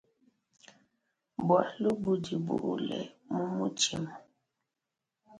Bualu budi buule mu mutshima.